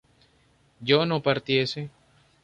yo no partiese